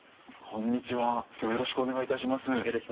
今日よろしくお願いいたします。